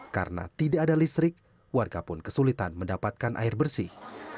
karena tidak ada listrik warga pun kesulitan mendapatkan air bersih